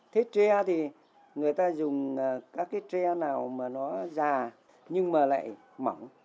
thế tre thì người ta dùng các cái tre nào mà nó già nhưng mà lại mỏng